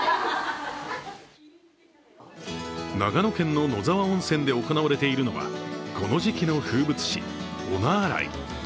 長野県の野沢温泉で行われているのはこの時期の風物詩、お菜洗い。